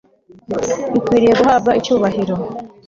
bikwiriye guhabwa icyubahiro